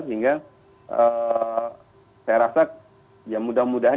sehingga saya rasa ya mudah mudahan